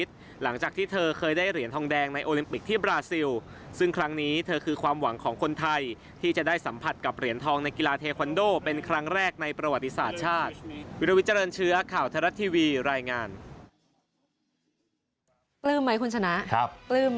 เธอจะได้รับข่าวเศร้าในวันแข่งขันที่กรุงโตเกียวประเทศญี่ปุ่นให้ซึ่งเธอก็มุ่งมั่นจะพัฒนาตัวเองต่อไปครับ